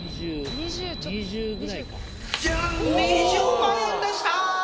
２０万円でした！